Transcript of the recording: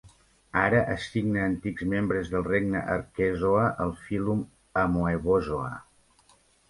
Ara assigna antics membres del regne Arquezoa al fílum Amoebozoa.